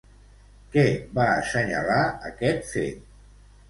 Què va assenyalar aquest fet?